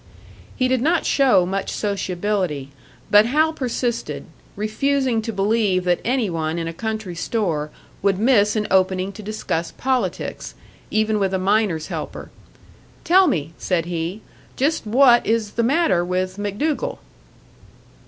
He did not show much sociability; but Hal persisted, refusing to believe that any one in a country store would miss an opening to discuss politics, even with a miner's helper. "Tell me," said he, "just what is the matter with MacDougall?"